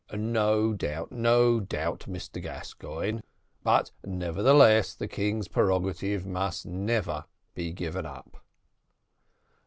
"No doubt, no doubt, Mr Gascoigne; but nevertheless, the king's prerogative must never be given up."